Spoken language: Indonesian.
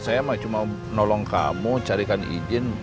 saya cuma nolong kamu carikan izin